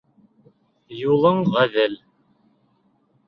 Юлың ғәҙел.